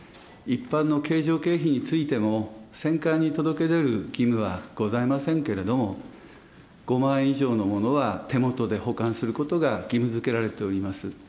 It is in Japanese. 一般のけいじょう経費についても、選管に届け出る義務はございませんけれども、５万以上のものは手元で保管することが義務づけられております。